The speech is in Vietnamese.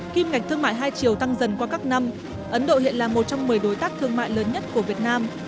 kim ngạch thương mại hai triệu tăng dần qua các năm ấn độ hiện là một trong một mươi đối tác thương mại lớn nhất của việt nam